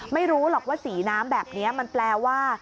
ไม่รู้หรอกว่าสีน้ำแบบนี้มันแปลว่า